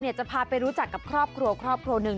จะพาไปรู้จักกับครอบครัวครอบครัวหนึ่ง